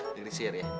negeri sihir ya